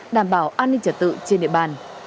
đảm bảo an ninh trả tự trên địa bàn